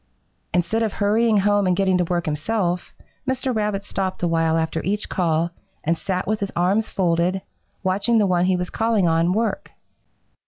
"Instead of hurrying home and getting to work himself, Mr. Rabbit stopped a while after each call and sat with his arms folded, watching the one he was calling on work.